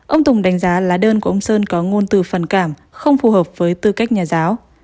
ông tùng đánh giá lá đơn của ông sơn có ngôn từ phần cảm không phù hợp với tư cách nhà giáo